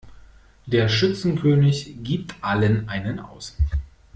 Der Schützenkönig gibt allen einen aus.